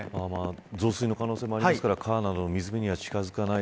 増水の可能性もありますから川などの水辺には近づかない。